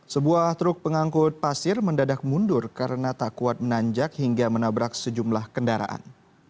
sebuah truk pengangkut pasir mendadak mundur karena tak kuat menanjak hingga menabrak sejumlah kendaraan